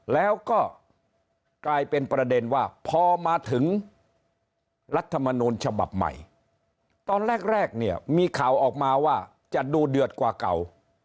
แล้วก็กลายเป็นประเด็นว่าพอมาถึงรัฐมนูลฉบับใหม่ตอนแรกแรกเนี่ยมีข่าวออกมาว่าจะดูเดือดกว่าเก่า